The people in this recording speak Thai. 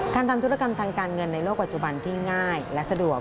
ทำธุรกรรมทางการเงินในโลกปัจจุบันที่ง่ายและสะดวก